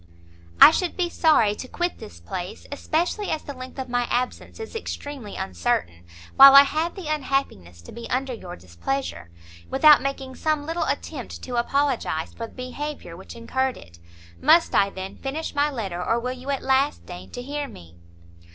"I should be sorry to quit this place, especially as the length of my absence is extremely uncertain, while I have the unhappiness to be under your displeasure, without making some little attempt to apologize for the behaviour which incurred it. Must I, then, finish my letter, or will you at last deign to hear me?"